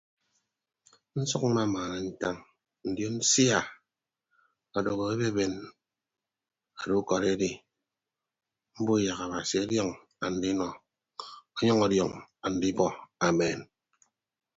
Nsʌk mmamaana ntañ ndion sia adoho ebeeben ado ukọd edi mbo yak abasi ọdiọn andinọ ọnyʌñ ọdiọñ andibọ amen.